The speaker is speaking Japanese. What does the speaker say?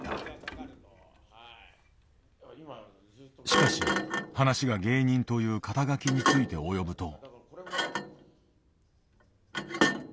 しかし話が芸人という肩書について及ぶと。